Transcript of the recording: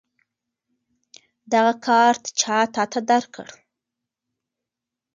دغه کارت چا تاته درکړ؟